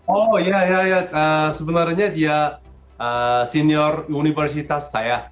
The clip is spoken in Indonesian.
oh iya ya sebenarnya dia senior universitas saya